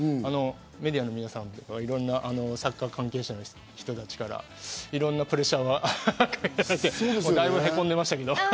メディアの皆さんから、いろいろなサッカー関係者の人たちからいろいろなプレッシャーをかけられて、だいぶ凹んでましたけど。